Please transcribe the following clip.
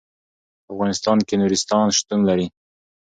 په افغانستان کې نورستان شتون لري.